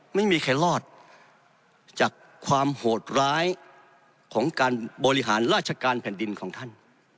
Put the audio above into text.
ไม่มีใครรอดจากความโหดร้ายของการบริหารราชการแผ่นดินของท่าน